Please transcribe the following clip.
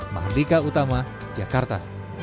mahabrika utama jakarta